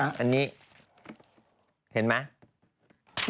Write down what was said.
อันนี้เห็นไหม